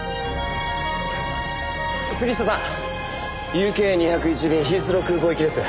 ＵＫＡ２０１便ヒースロー空港行きです。